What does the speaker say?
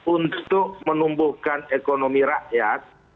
untuk menumbuhkan ekonomi rakyat